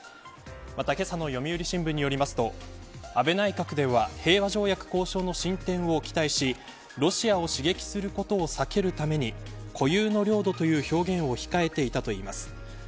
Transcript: また、けさの読売新聞によりますと安倍内閣では平和条約交渉の進展を期待しロシアは刺激することを避けるために固有の領土という表現を控えていたといいます。